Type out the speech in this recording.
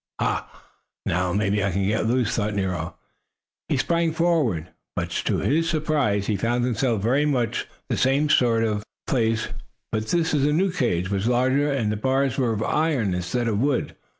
"Ha! Now, maybe, I can get loose!" thought Nero. He sprang forward, but, to his surprise, he found himself in very much the same sort of place. But this new cage was larger, and the bars were of iron instead of wood.